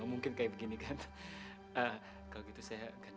ampuni dosa allah